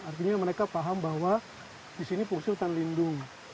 artinya mereka paham bahwa di sini fungsi hutan lindung